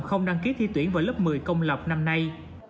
không đăng ký thi tuyển vào lớp một mươi công lập năm nay